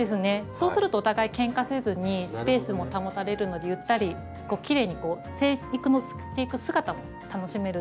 そうするとお互いけんかせずにスペースも保たれるのでゆったりきれいに生育していく姿も楽しめる。